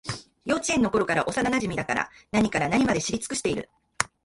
幼稚園のころからの幼なじみだから、何から何まで知り尽くしている